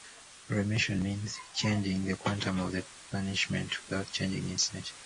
Remission: means changing the quantum of the punishment without changing its nature.